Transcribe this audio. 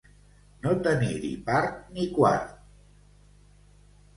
No tenir-hi part ni quart.